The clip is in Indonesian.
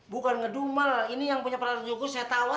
bukan ngedumel ini yang punya peralatan cukur saya tawar